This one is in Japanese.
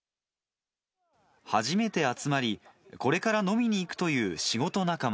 初めて集まり、これから飲みに行くという仕事仲間。